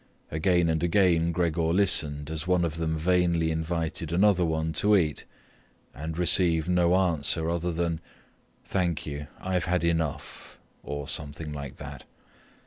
Again and again Gregor listened as one of them vainly invited another one to eat and received no answer other than "Thank you. I've had enough" or something like that.